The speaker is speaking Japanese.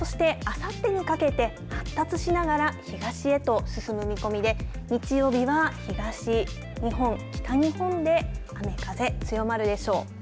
そして、あさってにかけて発達しながら東へと進む見込みで日曜日は東日本、北日本で雨風、強まるでしょう。